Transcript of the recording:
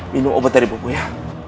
minum obat dari buku ya